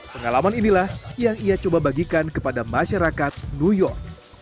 pengalaman inilah yang ia coba bagikan kepada masyarakat new york